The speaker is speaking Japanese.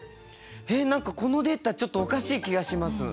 えっ何かこのデータちょっとおかしい気がします。